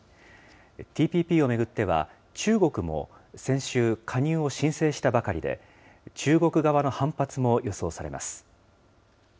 ＴＰＰを巡っては、中国も先週、加入を申請したばかりで、中国側の反発も予想されます。